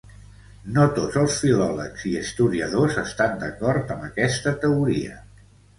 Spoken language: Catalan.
No tots els filòlegs i historiadors estan d'acord amb aquesta teoria.